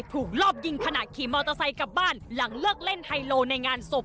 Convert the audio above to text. รอบยิงขณะขี่มอเตอร์ไซค์กลับบ้านหลังเลิกเล่นไฮโลในงานศพ